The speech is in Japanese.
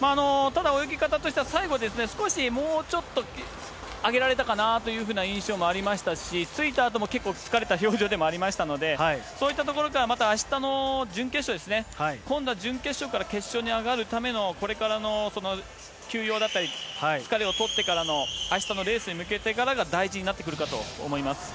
ただ泳ぎ方としては最後ですね、少しもうちょっと上げられたかなというふうな印象もありましたし、着いたあとも結構疲れた表情でもありましたので、そういったところから、またあしたの準決勝ですね、今度は準決勝から決勝に上がるためのこれからの休養だったり、疲れを取ってからの、あしたのレースに向けてからが大事になってくるかと思います。